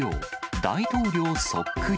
大統領そっくり。